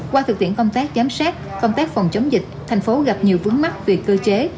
qua thực tiễn công tác giám sát công tác phòng chống dịch thành phố gặp nhiều vướng mắt về cơ chế